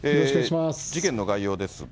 事件の概要ですが。